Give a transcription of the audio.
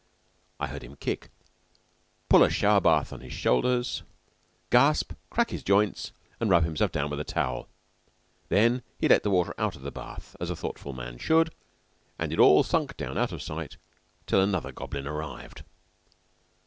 I heard him kick, pull a shower bath on his shoulders, gasp, crack his joints, and rub himself down with a towel; then he let the water out of the bath, as a thoughtful man should, and it all sunk down out of sight till another goblin arrived.